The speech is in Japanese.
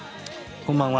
こんばんは。